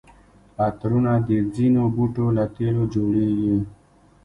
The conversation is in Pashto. عطرونه د ځینو بوټو له تېلو جوړیږي.